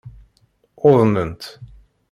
Uḍnent.